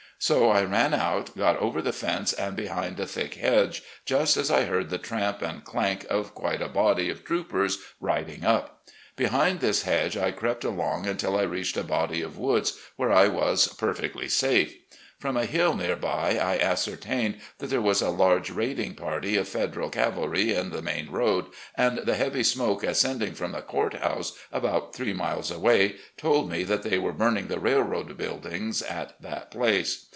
So I ran out, got over the fence and behind a thick hedge, just as I heard the tramp and clank of quite a body of troopers riding up. Behind this hedge I crept along until I reached a body of woods, where I was per fectly safe. From a hill near by I ascertained that there was a large raiding party of Federal cavalry in the main road, and the heavy smoke ascending from the Court House, about three miles away, told me that they were burning the railroad buildings at that place.